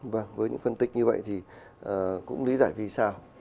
vâng với những phân tích như vậy thì cũng lý giải vì sao